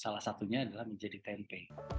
salah satunya adalah menjadi tempe